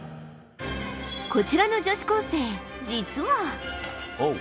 こちらの女子高生実は。